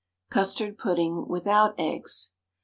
CUSTARD PUDDING WITHOUT EGGS.